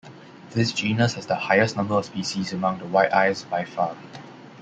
This genus has the highest number of species among the white-eyes by far.